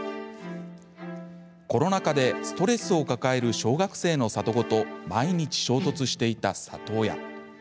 コロナ禍でストレスを抱える小学生の里子と毎日衝突していた里親。